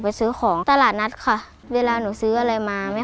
แม่ก็ไม่ลากเถ้าไปของหนูรู้แม่